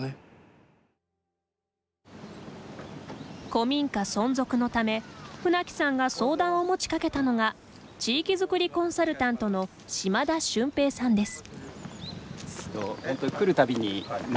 古民家存続のため舩木さんが相談を持ちかけたのが地域づくりコンサルタントの嶋田俊平さんです。